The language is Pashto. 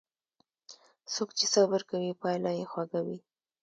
څوک چې صبر کوي، پایله یې خوږه وي.